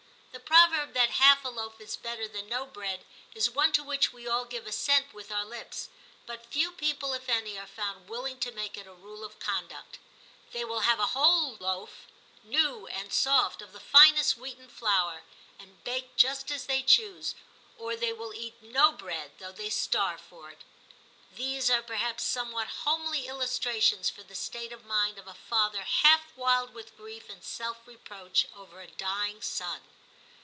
The proverb that half a loaf is better than no bread, is one to which we all give assent with our lips, but few people, if any, are found will ing to make it a rule of conduct. They will have a whole loaf, new and soft, of the finest wheaten flour, and baked just as they choose, or they will eat no bread, though they starve for it. These are perhaps somewhat homely illustrations for the state of mind of a father half wild with grief and self reproach over a dying son.